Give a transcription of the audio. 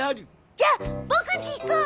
じゃあボクんち行こう！